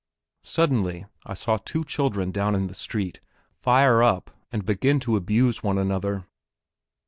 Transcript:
Suddenly, I saw two of the children down in the street fire up and begin to abuse one another.